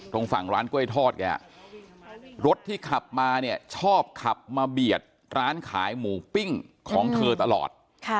ฝั่งร้านกล้วยทอดแกรถที่ขับมาเนี่ยชอบขับมาเบียดร้านขายหมูปิ้งของเธอตลอด